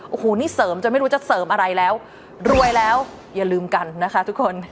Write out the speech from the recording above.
โอ้โหนี่เสริมจนไม่รู้จะเสริมอะไรแล้วรวยแล้วอย่าลืมกันนะคะทุกคน